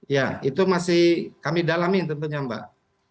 ya itu masih kami dalami tentunya mbak